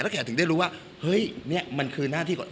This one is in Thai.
แขกถึงได้รู้ว่าเฮ้ยนี่มันคือหน้าที่ก่อน